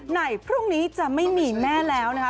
ในพรุ่งนี้จะไม่มีแม่แล้วนะคะ